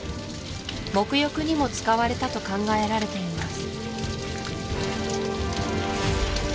もく浴にも使われたと考えられています